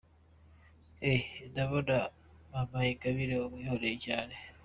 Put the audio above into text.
Ehhh! Ndabona Mme Ingabire mumwikoreye cyane.